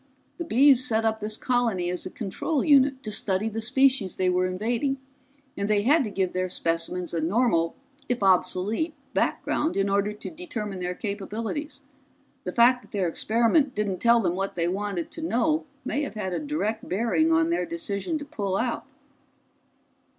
"The Bees set up this colony as a control unit to study the species they were invading, and they had to give their specimens a normal if obsolete background in order to determine their capabilities. The fact that their experiment didn't tell them what they wanted to know may have had a direct bearing on their decision to pull out."